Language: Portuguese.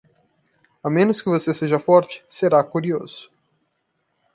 A menos que você seja forte, será curioso.